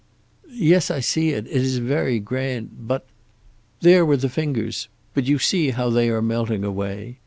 "Yes, I see it; it is very grand; but " "There were the fingers, but you see how they are melting away.